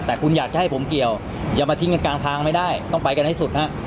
แต่คุณอยากจะให้ผมเกี่ยวอย่ามาทิ้งกันกลางทางไม่ได้ต้องไปกันให้สุดฮะ